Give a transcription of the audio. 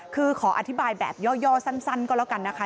คือขออธิบายแบบย่อสั้นก็แล้วกันนะคะ